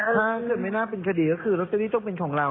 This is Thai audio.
ถ้าเกิดไม่น่าเป็นคดีก็คือลอตเตอรี่ต้องเป็นของเรา